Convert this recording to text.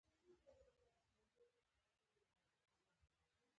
ازادۍ مېلمستون کې ښکلې خونې وښودل شوې.